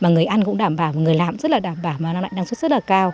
người ăn cũng đảm bảo người làm cũng rất đảm bảo năng suất rất cao